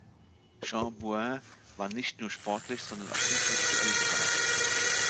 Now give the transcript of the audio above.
Jean Bouin war nicht nur sportlich, sondern auch intellektuell begabt.